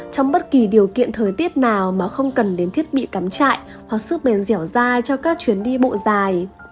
trong bất kỳ điều kiện thời tiết nào mà không cần đến thiết bị cắm trại hoặc sức bền dẻo da cho các chuyến đi bộ dài